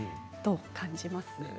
どう感じます？